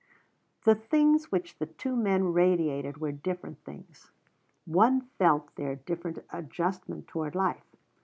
The things which the two men radiated were different things. One felt their different adjustment toward life.